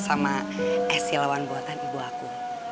sama esi walang buatan ibu aku